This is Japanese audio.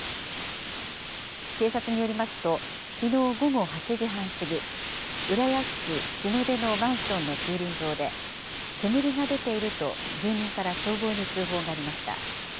警察によりますと、きのう午後８時半過ぎ、浦安市日の出のマンションの駐輪場で、煙が出ていると、住人から消防に通報がありました。